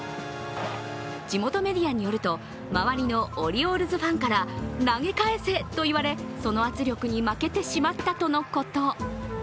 地元メディアによると、周りのオリオールズファンから投げ返せと言われ、その圧力に負けてしまったとのこと。